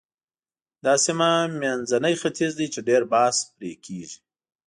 دا سیمه منځنی ختیځ دی چې ډېر بحث پرې کېږي.